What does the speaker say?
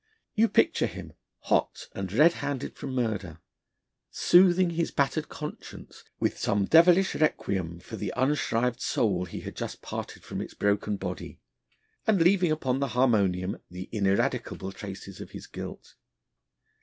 You picture him, hot and red handed from murder, soothing his battered conscience with some devilish Requiem for the unshrived soul he had just parted from its broken body, and leaving upon the harmonium the ineradicable traces of his guilt.